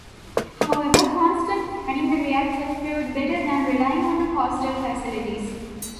However, constantly running the reactors proved better than relying on the coastal facilities.